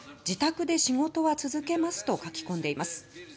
自宅で仕事は続けますと書き込んでいます。